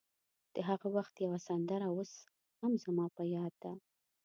د هغه وخت یوه سندره اوس هم زما په یاد ده.